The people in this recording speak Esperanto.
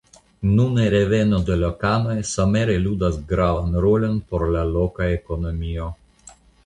Nune reveno de lokanoj somere ludas gravan rolon por la loka ekonomio.